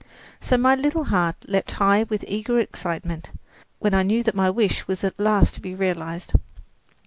So my little heart leaped high with eager excitement when I knew that my wish was at last to be realized.